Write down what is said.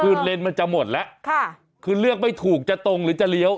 คือเลนส์มันจะหมดแล้วค่ะคือเลือกไม่ถูกจะตรงหรือจะเลี้ยว